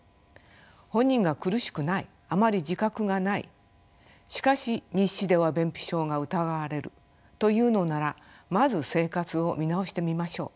本人が苦しくないあまり自覚がないしかし日誌では便秘症が疑われるというのならまず生活を見直してみましょう。